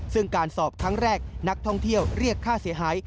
ซึ่งการสอบครั้งแรกนักท่องเที่ยวเรียกค่าเสียหาย